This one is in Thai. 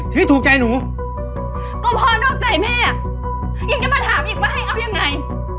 พ่อดอกใจแม่อ่ะยังจะมาถามอีกว่าให้เอายังไง